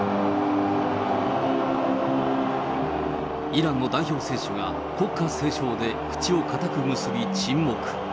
イランの代表選手が国歌斉唱で口を堅く結び沈黙。